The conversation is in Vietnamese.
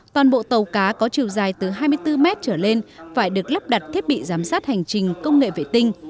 toàn bộ tàu cá có chiều dài từ hai mươi bốn mét trở lên phải được lắp đặt thiết bị giám sát hành trình công nghệ vệ tinh